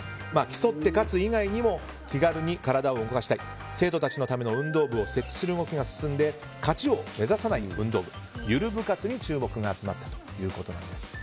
競って勝つ以外にも気軽に体を動かしたい生徒たちのための運動部を設置する動きが進んで、勝ちを目指さない運動部ゆる部活に注目が集まったということです。